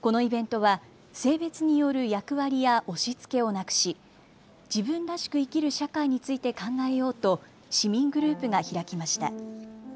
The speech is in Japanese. このイベントは性別による役割や押しつけをなくし、自分らしく生きる社会について考えようと市民グループが開きました。